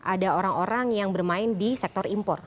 ada orang orang yang bermain di sektor impor